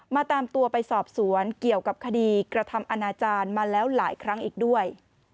ตามตัวไปสอบสวนเกี่ยวกับคดีกระทำอนาจารย์มาแล้วหลายครั้งอีกด้วย